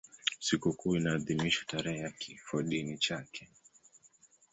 Sikukuu inaadhimishwa tarehe ya kifodini chake.